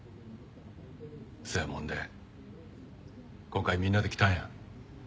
そやもんで今回みんなで来たんや。